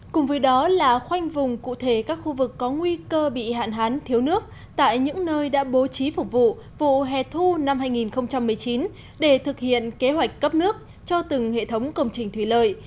cùng với đó là khoanh vùng cụ thể các khu vực có nguy cơ bị hạn hán thiếu nước tại những nơi đã bố trí phục vụ vụ hè thu năm hai nghìn một mươi chín để thực hiện kế hoạch cấp nước cho từng hệ thống công trình thủy lợi